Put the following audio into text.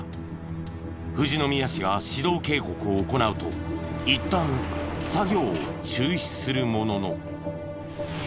富士宮市が指導警告を行うといったん作業を中止するものの。